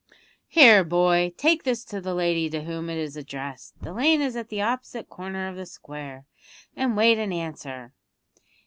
"Here, boy, take this to the lady to whom it is addressed the lane is at the opposite corner of the square and wait an answer."